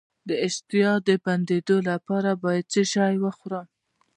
د اشتها د بندیدو لپاره باید څه شی وخورم؟